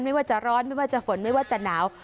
ไม่ว่าจะร้อนไม่ว่าจะฝนไม่ว่าจะหนาว